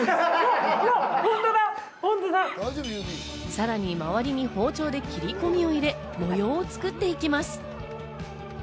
さらに周りに包丁で切り込みを入れ、模様を作っていきます。